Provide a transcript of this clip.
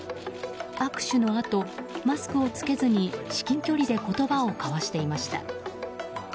握手のあとマスクを着けずに至近距離で言葉を交わしていました。